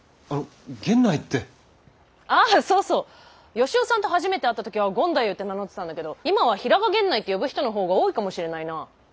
吉雄さんと初めて会った時は権太夫って名乗ってたんだけど今は平賀源内って呼ぶ人のほうが多いかもしれないなぁ。